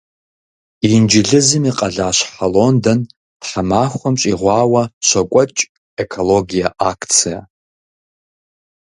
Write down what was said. Инджылызым и къалащхьэ Лондон тхьэмахуэм щӏигъуауэ щокӏуэкӏ экологие акцие.